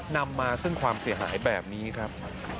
นำมาซึ่งความเสียหายแบบนี้ครับ